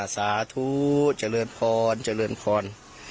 สาธุเจริญพรเจริญพร